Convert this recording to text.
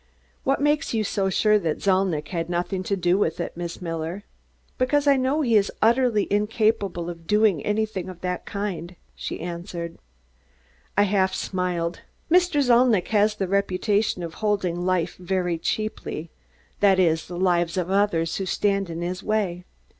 "What makes you so sure that Zalnitch had nothing to do with it, Miss Miller?" "Because I know he is utterly incapable of doing anything of that kind," she answered. I half smiled. "Mr. Zalnitch has the reputation of holding life very cheaply that is, the lives of others who stand in his way.